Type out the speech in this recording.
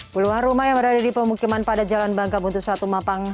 peluang rumah yang berada di pemukiman padat jalan bangka buntus satu mampang